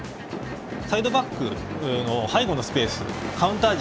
サイドバックの背後のスペース